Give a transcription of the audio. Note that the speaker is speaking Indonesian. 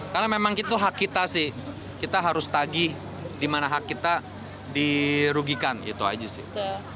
karena memang itu hak kita sih kita harus tagih di mana hak kita dirugikan itu aja sih